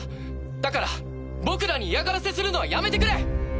だから僕らに嫌がらせするのはやめてくれ！